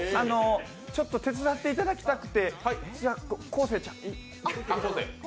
ちょっと手伝っていただきたくて昴生ちゃん。